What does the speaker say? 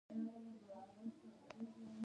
سخت کارونه ټول د غلامانو په غاړه شول.